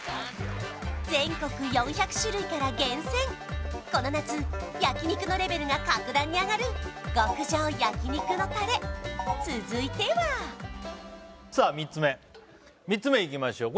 全国４００種類から厳選この夏焼肉のレベルが格段に上がる極上焼肉のタレ続いてはさあ３つ目３つ目いきましょう